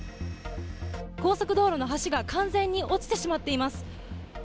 高速道路の橋が完全に落ちてしまっています。